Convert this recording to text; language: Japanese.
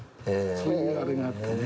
そういうあれがあってね。